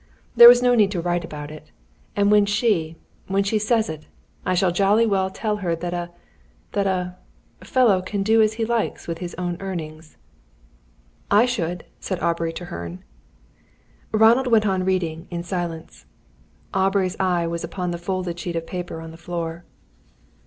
There was no need to write about it. And when she when she says it, I shall jolly well tell her that a that a a fellow can do as he likes with his own earnings." "I should," said Aubrey Treherne. Ronald went on reading, in silence. Aubrey's eye was upon the folded sheet of paper on the floor.